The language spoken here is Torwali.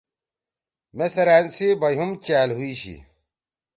مے سیرأن سی بھئی ہُم چأل ہُوئیشی۔